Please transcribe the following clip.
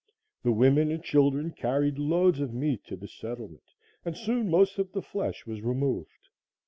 The women and children carried loads of meat to the settlement, and soon most of the flesh was removed.